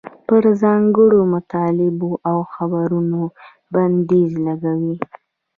پر ځانګړو مطالبو او خبرونو بندیز لګوي.